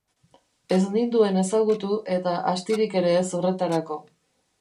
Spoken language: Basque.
Ez ninduen ezagutu, eta astirik ere ez horretarako.